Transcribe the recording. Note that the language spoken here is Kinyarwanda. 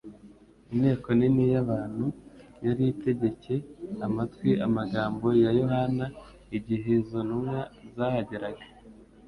Inteko nini y' abantu yari itegcye amatwi amagambo ya Yohana igihe izo ntumwa zahageraga.